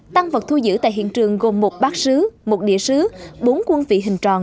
tăng vật thu giữ tại hiện trường gồm một bác sứ một địa sứ bốn quân vị hình tròn